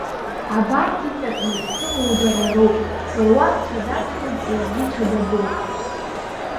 Абарҭ иҵакны исымоу дара роуп, руак ҽадаԥсуп егьи ҽадабоуп.